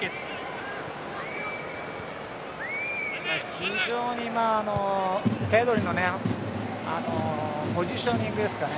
非常にペドリのポジショニングですね。